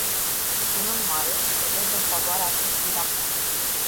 Prin urmare, votez în favoarea acestui raport.